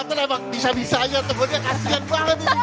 ini si jonathan emang bisa bisanya temennya kasihan banget ini